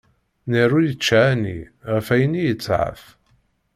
Niɣ ul ičča ani, ɣef ayen i yeṭɛef